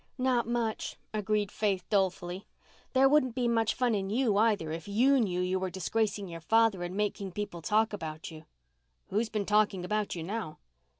"Not much," agreed Faith dolefully. "There wouldn't be much fun in you either if you knew you were disgracing your father and making people talk about you." "Who's been talking about you now?"